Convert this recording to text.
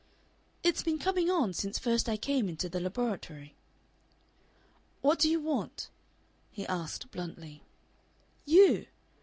"It's been coming on since first I came into the laboratory." "What do you want?" he asked, bluntly. "You!"